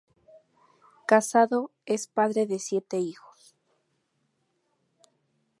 Casado, es padre de siete hijos.